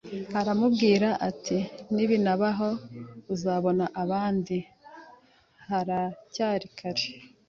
Arambwira ati nibinabaho uzabona n’abandi haracyari kare